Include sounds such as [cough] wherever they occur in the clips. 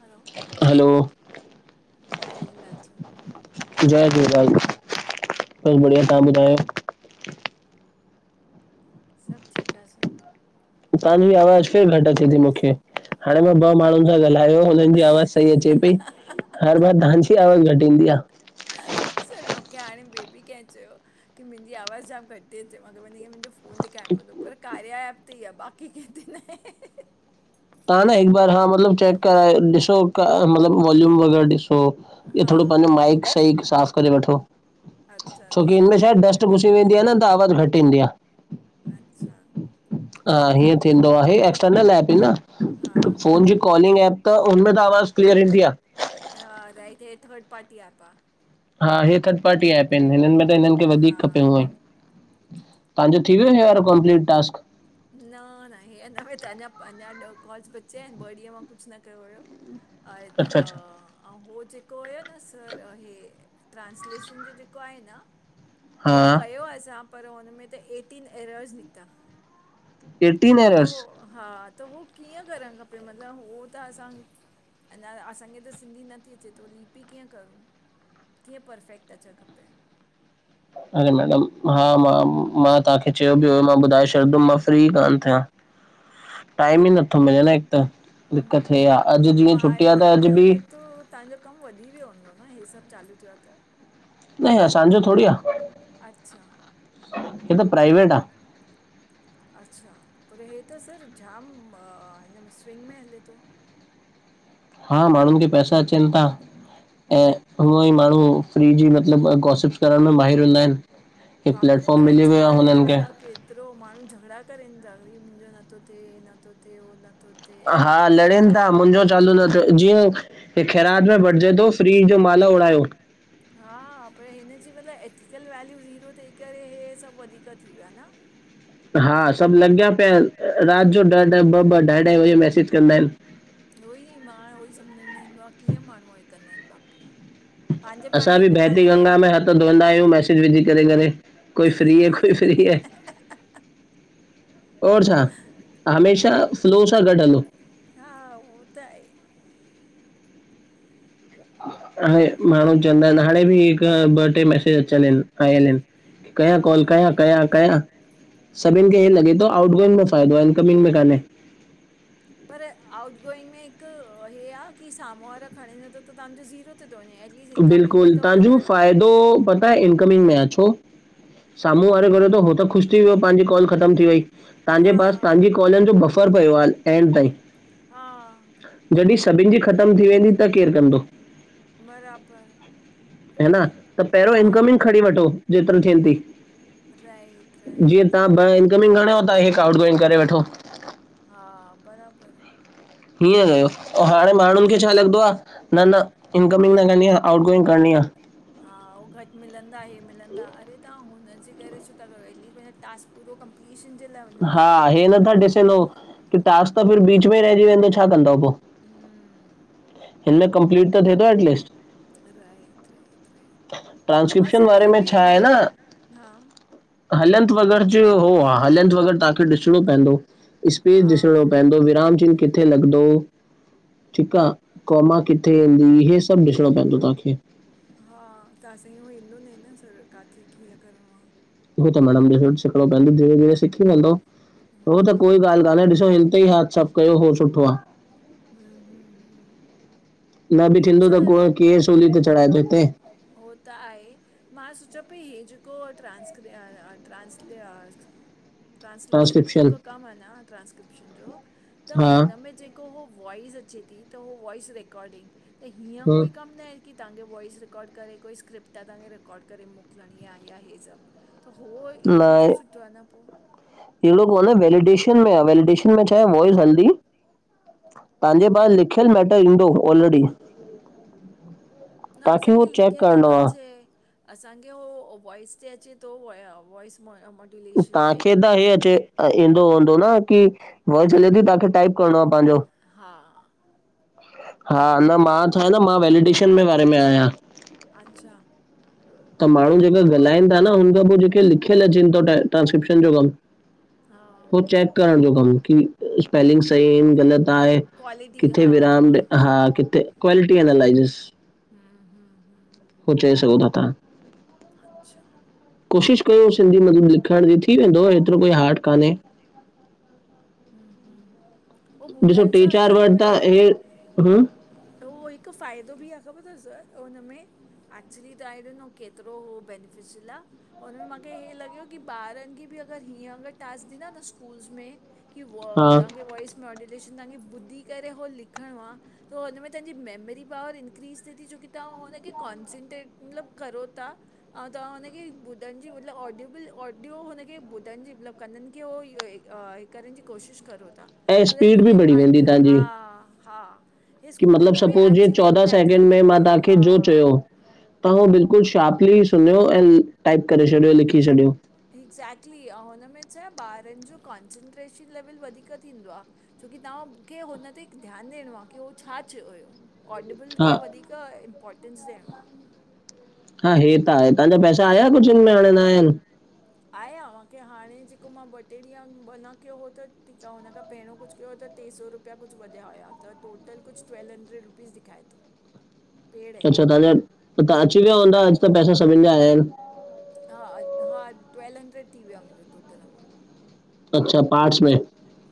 हलो hello जय Jhulelal sir जय कहिड़ो हाल आ? झूलेलाल। सब बढ़िया तां ॿुधायो? सॿ ठीक आ सर। तांजी आवाज़ फेिर घट अचे ती मूंखे हाणे मां ॿ हा माणून सां ॻाला अरे ओ हुननजी आवाज़ सई अचे पई हर बार तांॼी आवाज घट ईंदी आ। सर मूंखे हाणे ॿेबी केअ चयो। की मुंजी आवाज़ जाम घट ती अचे मांखे वञी मुंजो फोन ते ऐप हूंदो पर कार्य ऐप ते आ बाक़ी कैंते ना आये ह-ह-ह। तां न हिक बार हां मतलब चैक करायो ॾिसो मतलब वॉल्यूम वग़ैरह ॾिसो। हं हा इओ थोड़ो पांॼो मां माइक चई सई साफ़ करे वठो। अच्छा छोकी ॾिसां हिनमें थी छाये मां डस्ट कराए घुसी वेंदी आ न त आवाज घट ईंदी आ। अच्छा हा ईअं थींदो आहे एक्स हा हा कॉलिंग ऐप त हुनमें त आवाज़ क्लीअर ईंदी आ। हा राइट हे थर्ड पार्टी एप आ। हा हे थर्ड पार्टी एप एन हिनन में त हिनन खे वधीक खपे हूअं हा ई। तांॼो थी वयो हे वारो कम्पलीट टास्क? न-न हेनमें त अञा पंजा ॾह कॉल्स बचया आयन ॿ ॾअ मां कुछ न कयो होयो। आये त अच्छा अच्छा आ अऊं हो जेको होयो न सर हे ट्रांस्लेशन ॼो ॼेको आये न। उयो हा कयो आ असां पर हुन में त एटीन एरर्स निकता। एटीन त एयर्स हो हा त हो कीअं करण? खपे मतलब हो त असां अञा असांखे त सिंधी नथी अचे त लिपि कीअं करु? कीअं परफेक्ट अचण खपे? अरे मैडम हा मां-मां तांखे चयो ॿि हो मां ॿुधाए छॾंदुम मां फ्री कान थयां। [inaudible] टाइम ई नथो मिले न हिक त दिक्क़त इय आ हम्म, अॼ जीअं छुट्टी आ त अॼ बि तांजो कम वधी वयो हूंदो न हे सॿ चालू थियो आ त? न हे असांजो थोड़ी आ अच्छा, हे त प्राइवेट आ। अच्छा पर हे त सर जाम हिन में स्विंग में हले तो। हा माणून खे पैसा अचन ता। ऐं हूअई माणू फ्री ॼी मतलब ॿ गोॉसिप्स करण में माहिर हूंदा आयन। बाप रे पर‌ ए छा खे। लेवल आ के एतरो माणू झगड़ा करेन ता कि मुंजो नथो थे इ न थो थे हो न। हा लड़न ता मुंजो चालू न थियो जीअं हे खै़रात में ॿटजे तो फ्री ॼो माल आ उड़ायो। हा पर हिन ॼे मतलब एथिकल वैल्यू ज़ीरो थी करे हे सॿ वधीक थी वयो आ ना? [inaudible] हा सॿ लॻया पया आयन रात ॼो ॾअ ॾअ ॿ ॿ ॾाई ॾाई वॻे मैसेज कंदा आयन। उईअं मां उअई समझ में न ईंदो आ कीअं माणू हे कंदा आयन बाप रे। पंहिंजे असां पंहिंजे ॿि में बहती ॻाल्हाईंदा गंगा में हूंदा हथ धोईंदा आयूं मैसेज विझी करे करे कोई फ्री है कोई फ्री है? और छा हमेशा फ्लो सां ॻॾ हलो। हा उय त आये। हाणे माणू चवंदा आयन हाणे ॿि हिक ॿ टे मैसेज अचल इन आयल आयन। कयां कॉल कयां-कयां-कयां? हुं [unintelligible] आउट गोइंग में फ़ाइदो आ इनकमिंग में कान्हे पर आउट गोइंग में हिक हे आ की साम्हूं वारा खणे नथो त तांजो ज़ीरो थे थो वञे ही इज़ इनकमिंग में तव त तो पता है इनकमिंग में आ छो साम्हूं वारो गुरे थो हो त ख़ुश थी वियो पाहिंजी कॉल ख़तम थी वई। तांजे पास तांजी हा कॉल आहिन जो बफर पयो आहीन एंड ताईं। हा यदि सभिन जी ख़तम थी वेंदी त केर कंदो बराबर हे न, त पहिरों इनकमिंग खणी वठो जेतरो थिएन थी। राइट जीअं राइट तव्हां रह ॿ इनकमिंग खणियो था हिकु आउटगोइंग करे वठो हा बराबर हीअं कयो ऐं हाणे माण्हुन खे छा लॻदो आ न न इनकमिंग न करणी आ आउटगोइंग करणी आ हा उ घट मिलंदा इहे मिलंदा अड़े तां हुनजे करे छो था कयो एटलीस्ट टास्क पूरो कंप्लीशन जे लाए वञो न हा हे नथा ॾिसन हो की टास्क त बीच में रहजी वेंदो छा कंदव पो हम्म हिन में कंपलीट त थिए थो एटलीस्ट राइट राइट राइट हा ट्रांस्क्रिप्शन सर वारे हे में बि छा आए हूंदो न हा हलंत वग़ैरह जो हो हा हलंत वग़ैरह तांखे ॾिसणो पवंदो स्पेस हा ॾिसणो पवंदो विराम चिन कथ किथे लॻंदो ठीक आ, कौमा किथे इहो सभ ॾिसणो पवंदो तां खे हा त असां हू इंदो न न सर काथे कीअं करणो आ हू त मैडम सिखणो पवंदो धीरे धीरे सिखी वेंदो हा हो त कोई ॻाल काने, ॾिसो हिन ते ई हथ साफ कयो हो सुठो आ हुं हुं हुं न बि थींदो त को कीअं सोली ते चढ़ाए थो हिते हो त आहे मां सोचो पिए हीउ जेको ट्रांसक्र ट्रांसले ट्रांसलेशन जो ट्रांसक्रिप्शन जेको कम आहे न ट्रांस्क्रिप्शन जो त हा हुन में जेको त हुअ वॉयस अचे थी, वॉयस रिकॉर्डेड त ईअं हम्म, कोई कम नाए की तांजी वॉयस रिकॉर्ड करे कोई स्क्रिप्ट आहे तां खे रिकॉर्ड करे मोकलणी आहे या हे सभ त हो हो भी त सुठो आहे न पो [unintelligible] वेलिडेशन में आ, वेलिडेशन में छाए वॉयस हलदी तांजे पास लिखियलु मैटर ईंदो ऑलरेडी न तव्हांखे उहो असांखे चेक लिखियल करिणो नथो आहे अचे असांखे उहो वॉइस ते अचे थो वॉइस मॉड्यूलेशन ते तांखे त हे अचे ईंदो हूंदो न की वॉइस हले थी तांखे टाइप करणो आ पंहिंजो हा हा न मां चवां थो मां वेलिडेशन जे बारे में आयां अच्छा त माण्हू जेका ॻालाइन था न हुन खां पोए जेके लिखियल अचेन थो ट्रांस्क्रिप्शन जो कम हा पो चेक करण जो कम की स्पेलिंग सहीन ग़लत। आए किथे वेरन हा किथे क्वालिटी अलैथस हां हां। हू चय सघो थ तां। अच्छा। कोशिश कयो सिंधी मत्लब् लिखण जी थी वेंदो एतरो कोई हार्ड कान्हे। हं हं, हो ॾिसो ॿुधण टे सां चारि थिए वर्ड त पयो। हे हम्म, त उअहि तो फ़ाइदो बि आ ख़बर थस, हुनमें। एक्चुली तांहां ॾिनो केतरो हुओ ब बैनिफिशियल आ। हुनमें माखें हीअ लॻयो की ॿारन खे बि अगर हीअं अगर टास्क ॾींदा न स्कूल्स में। की हा व तांखे वॉइस मॉड्युलेशन तांखे ॿुधी करे हुवो लिखणो आ। त हुनमें तांजी मेमरी पावर इंक्रीज़ थिए थी छोकी तव्हां हुनखे कॉन्संट्रेट मतलब करो था। तंव्हा हुनखे ॿुधनजी मतलब ऑडियो बि ऑडियो हुनखे ॿुधण जी मतलब। कंदनि खे उह करण जी कोशिश करो था। ऐं सो देट यू स्पीड बि केन बढ़ी अर्न वेंदी हा तव्हांजी हा। इ कि स्कूल मतिलबु में बि सपोज जीअं एक्चुली चोॾहं अप्लाए सेकेंड थियणु में मां खपे तव्हांखे हा। जो चयो तव्हां उहो बिल्कुल शार्पली सुन्ंयो अंऐं टाइप करे छॾियो लिखी छॾियो। एक्ज़ेक्टली आऊ हुनमें छा ॿारन जो कॉन्संट्रेशन लेवल वधीक थींदो आ। छोकी तांहां मूंखे हुन ते ध्यानु ॾियणो आ की उहो छा चयो हुयो? ऑडिबल हा खे वधीक इम्पॉर्टेंस ॾियणो आ। हा हे त आहे तांजा पैसा आया कुछ हिनमें में हाणे न आयाण? आहे आ माँखे हाणे जेको मां ॿ टे ॾींहं मना कयो हो त ठीक आ हुन खां। पहिरियों कुछ कयो त टे सौ रुपया कुछ वधया हुया त टोटल कुछ ट्वेल्व हंड्रेड रुपीस ॾेखांए थो। पेड आहिनि अच्छा तांजा तां अची विया हूंदा अॼु त पैसा सभिन जा आयान्। हा हा ट्वेल्व हंड्रेड थी वयो आ मुंहिंजो टोटल अमाउंट। अच्छा पांच मिंनेट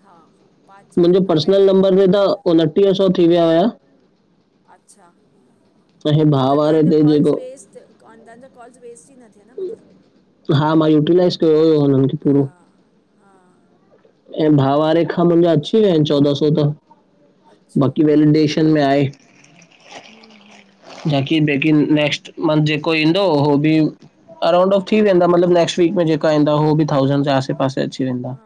हा हा पाच में आहे मुंहिंजो न पर्सनल पहिरियों नंबर बे त। उनटीह सौ थी विया हुया। अच्छा ऐं हे भाउ मतलब वारे तांजा ते कॉल्स जेको वेस्ट तांजा कॉल्स वेस्ट ई नथ। हा मां यूटिलाइज़ कयो हुयो हुनन खे पूरो। हा। हा। ऐं भा वारे खां मुंजा अची वया आहिन चोॾहं सौ त। अच्छा बाक़ी वेलिडेशन में आए। हं हं। जाकी बेकिन नेक्स्ट मंथ जेको ईंदो उह बि। अरांउंड ऑफ थी वेंदा मतलब नेक्स्ट वीक जेकांइन उ बि थाउसंदजे आसे पासे अची वेंदा। हा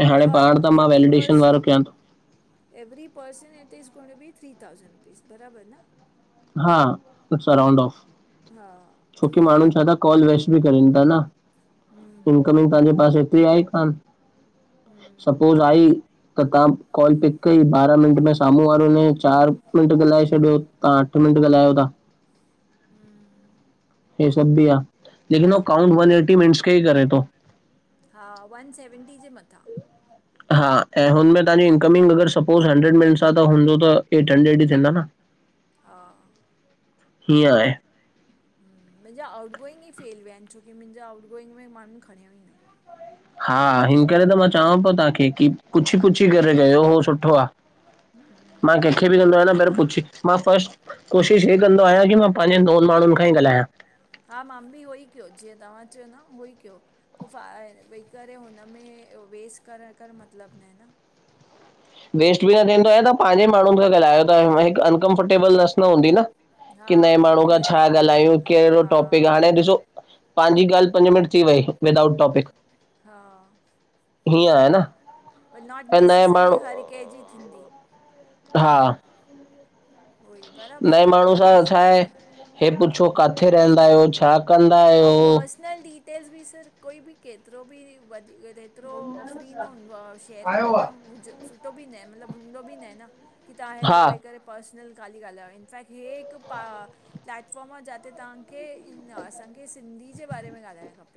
ऐं त हाणे हर पाण त मां एवरी वैलिडेशन वारो पर्सन। कयां थो every person it is gonna बि थ्री थाउसंड रुपीस बराबर न। हा इट्स अ राउंड ऑफ। हा छोकी माण्हू छाता था कॉल वेस्ट बि करन था न। हम्म हम्म इनकम् तांजो हम्म पास एतरी आई कान हम्म सपोज आई। त तां कॉल पिक कई ॿारहां मिंट में साम्हूं वारो वइ चार मिंट ॻाल्हाए छॾियो तां। मिंट ॻालायो था। हं। हे सभ बि आ लेकिन काउंट वन एटी मिनटस खेही करे थो। हा वन सेवंटी जे मथां हा ऐं हुनमें तांजी इनकमिंग अॻरि सपोज़ हंड्रेड मिनस आ त हूंदो त एट हंड्रेड ई थींदा न। [inaudible] हा हिअं आहे। मुंहिंजा आउट गोइंग ई फेल विया आहिनि छो की मुंहिंजा आउट गोइंग में माण्हू खणियोई न। हा हिन करे त मां चवांओ पो तांखे, की पुछी पुछी हम्म करे कयो हो सुठो आ। मां हम्म, कंहिंखे बि कंदो आहियां न पहिरे पुछी, मां फस्ट कोशिश हे कंदो आहियां की मां पांजे नोन माण्हुनि खां ई ॻाल्हायां। हा मां बि उहो ई कयो जीअं तव्हां चयो न उहो ई कयो पो फा भई करे हुनमें वेस् करण कर मतिलबु न आ न। वेस्ट बि न थींदो आहे त पंहिंजे माण्हुनि खे ॻाल्हायो ता हिकु अनकंफर्टेबल नस न हूंदी न। हा की नए उहो माण्हू बि खां आहे छा ॻाल्हायूं कहिड़ो हा टॉपिक हाणे ॾिसो पांजी ॻाल्हि पंज मिंट थी वई। विदाउट टॉपिक, हा हीअं आहे न पर नॉट ऐं नए नेसेसरी माण्हू हर कंहिंजी थींदी। हा उहोई बराबरि नए आ माण्हू नॉट सां छाहे। नेसेसरी आ। हे पुछो काथे रहंदा आहियो, छा कंदा ऐं आहियो? पर्सनल डिटेल्स बि सर कोई बि केतिरो बि वधीक जेतिरो फ्री न हूंदो आ शेयर आयो करण आ न हुज सुठो बि न मतिलबु हूंदो बि न ना। की तां हा हेतिरो वेही करे पर्सनल खाली ॻाल्हायो इनफैक्ट हे हिकु पा प्लैटफॉर्म आ जाते तहां खे इन असांखे सिंधी जे बारे में ॻाल्हाइणु खप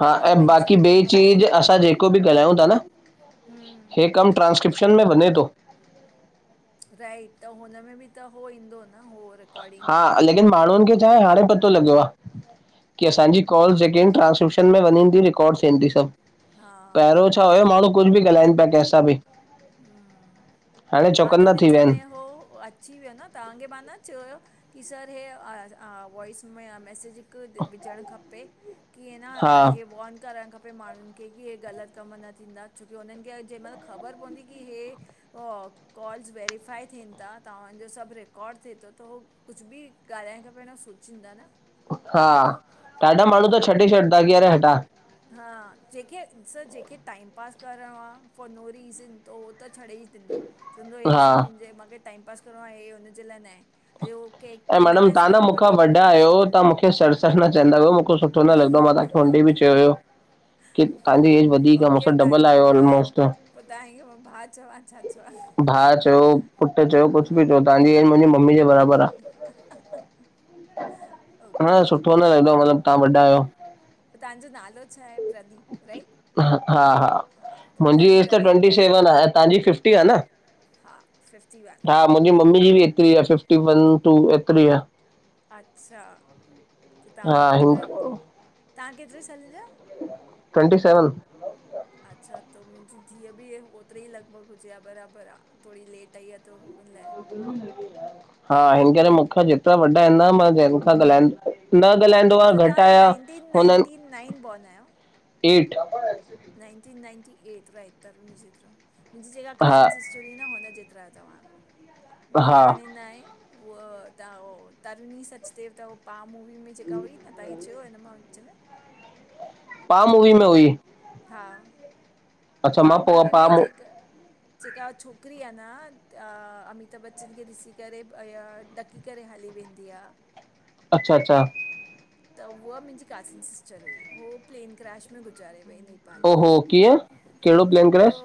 हा ऐं बाक़ी ॿि खपे चीज असां ॼेको बि ॻाल्हायूं ता न हम्म हे कमु ट्रांस्क्रिप्शन में वञे तो। राइट त हुनमें बि त हो ईंदो न हो र। हा लेकिन माण्हुनि खे छाहे हाणे पतो लॻियो आ। की असांजी कॉल ॼेके एन ट्रांस्क्रिपशन में वञनि ती रिकॉड थियनि ती सभु। हा पहिरों छा हुयो माण्हू कुझु बि ॻाल्हाइनि पिया कैसां बि। हम्म हाणे हा त चौकन्ना थी विच विया आहिनि में हो अ अची वियो न तव्हांखे मां न चयो हो की सर हे वॉइस मे आ मैसेजिग विझणु खपे की ह न हा अ हे वॉन करणु खपे खपे माण्हुनि खे की हे ग़लति कमु न थींदा छोकी हुननि खे अ जंहिं महिल ख़बर पवंदी की हे वो कॉल्स वेरीफाए थिनि ता तव्हांजो सभु रिकॉड थिए तो त हो कुझु बि ॻाल्हण खां पहिरियों सोचींदा न। हा ॾाढा माण्हू त छॾे छॾंदा की अरे हेटा। हा जंहिंखे स जंहिंखे टाइम पास करिणो आ फॉर नो रीज़न त हो त छॾेई ॾिंदो चवंदो हे हा सभु मुंहिंजे मांखे टाइम पास करिणो आ हे हुनजे लाइ न आहे, अॼे उहो के ऐं कंहिंजे मैडम लाइ तां सौ न रुपया मूंखा थो वॾा चवंदा न आहियो तां मूंखे सर सर न चएंदा कयो। बिलकुलु सुठो न लॻंदो आ मां तांखे हुन ॾी बि चयो हुयो। की तांजी एज वधीक आ मूंसां डबल आयो ऑलमोस्ट। पो तां हिय भा चवांनि। भा चयो, पुटु चयो, हा कुझु बि चओ तांजी एज मुंहिंजी मम्मी जे बराबरि आ। हा ओके सुठो न लॻंदो आ मतिलबु तां वॾा आहियो। त तांजो नालो छा आहे प्रदीप राइट। ह। हा हा पोइ मुंहिंजी ॿुधाईं एज त प्रदीप ट्वेंटी करेवे सेवन आ। तव्हांजी फिफ्टी आ न? हा। Fifty one. हा। मुंहिंजी मम्मी जी बि हेएतिरी आ, फफ़िफ्टी वन टू एतिरी आहे। अच्छा। त तव्हां हा हिन तव्हां केतिरे सालनि जा। Twenty seven. अच्छा। त मुंहिंजी धीअउ बि ओतिरी ई लॻभॻि हुजे हा बराबरि आ। थोरीी लेट आई आ त ऊ उन लाइ। [inaudible] हा हिन करे मूंखां जेतिरा वॾा आहिनि मां जंहिं खां ॻाल्हाई न ॻाल्हाईंदो आहियां घटि आहियया। टी नाइंटी नाइन बॉन आहियां। Eight [unintelligible] ninety ninety eight right हा [unintelligible] थोरी न हुन जेतिरायो तव्हां उअ हा त हाणे न आ। उह तव्ह तन्वी सचदेव त उ। पा मूवी में जेका हुई न तव्हां इखे चयो हिन मा विच में। पा मूवी में हुई हा। अच्छा मां तव्हां पो मूवी पा में मू जेक। जेका छोकिरी आहे न अमिताभ बच्चन खे ॾिसी करे इ डक पाए करे हली वेंदी आ। अच्छा, अच्छा। त उहा मुंहिंजी काज़न सिस्टर हुई। उहो प्लेन क्रैश में गुज़ारे वई नी। ओ होो कीअं कहिड़ो प्लैन उहो क्राएश?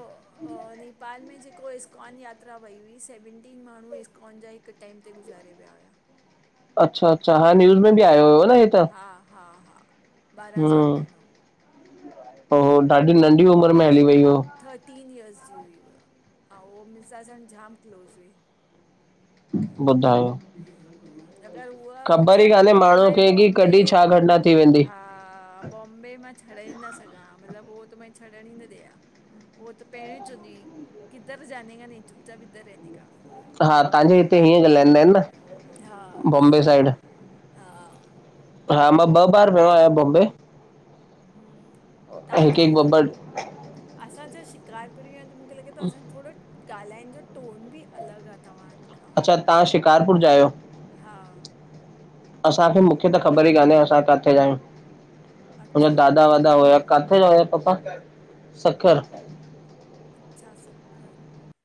नेपाल में जेको इस्कॉन यात्रा वई हुई सेवनटीन माण्ह कॉन जा हिकु टाइम ते गुज़ारे विया हुया। अच्छा, अच्छा हा न्यूज़ में बि आयो हुयो न हे त। हा, हा, हा ॿारहां साल हम। पहिरियों पोइ ॾाढी नंढी उमिरि में हली वई हो। थर्टीन इयर्स जी हुई हुअ ऐं उहो मुंसां सांणु जाम क्लोज़ हुई। ॿुधायो। हम। अॻरि हूहा ख़बर हुजे हा, ई न। कान्हे त त माण्हू मां खे की बॉम्बे, कॾहिं छा घटना थी वेंदी हा बॉम्बे मां छॾे ई न सघां हा मतिलबु उहो त मांखे छॾण ई न ॾेां हा। उह त पहिरियों ई चवंदी हुई किधर जा नेका नही चुप चाप इधर रहंनेका। हा तव्हांजे हिते हीअं ॻाल्हाईंदा आहिनि न। हा। बॉम्बे साइड हा। हा मां ॿ बार वियो आहियां बॉम्बे हम्म हिकु हिकु ॿ, ॿ। असांज शिकार पय आहिनि त मूंखे लॻे थो असां थोरो। ॻाल्हाइण जो टोन बि अलॻि आ तव्हां। अच्छा तव्हां शिकारपुर जा आहियो हा। असांखे मूंखे त ख़बर ई कान्हे असां किथे ज आहियूं अच्छा मुंहिंजा दादा वाॾा हुया। किथे जोे पपा सखर। अच्छा सक्खर।